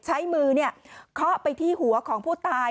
ใช้มือเคาะไปที่หัวของผู้ตาย